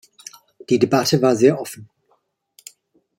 Die Debatte war sehr offen.